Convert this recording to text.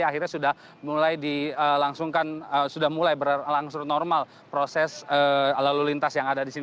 akhirnya sudah mulai dilangsungkan sudah mulai berlangsung normal proses lalu lintas yang ada di sini